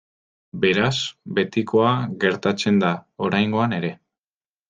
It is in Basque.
Beraz, betikoa gertatzen da oraingoan ere.